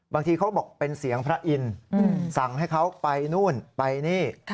บางทีเขาบอกเป็นเสียงพระอินทร์สั่งให้เขาไปนู่นไปนี่